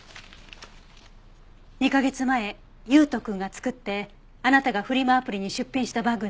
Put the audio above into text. ２カ月前悠斗くんが作ってあなたがフリマアプリに出品したバッグです。